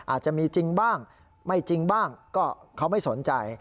อาจจะมีจริงบ้างไม่จริงบ้างก็เขาไม่สนใจ